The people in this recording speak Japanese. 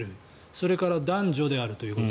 それから男女であるということ。